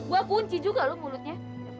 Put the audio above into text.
gua kunci juga lu mulutnya